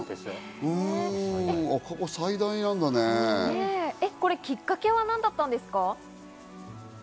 過去最大なんだね。きっかけは何だったんですか？